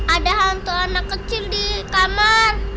ada untuk anak kecil di kamar